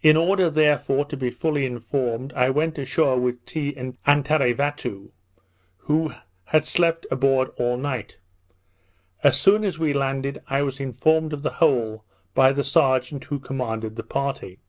In order, therefore, to be fully informed, I went ashore with Tee and Tarevatoo, who had slept aboard all night. As soon as we landed, I was informed of the whole by the serjeant who commanded the party.